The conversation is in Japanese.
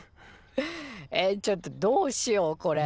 えっちょっとどうしようこれ。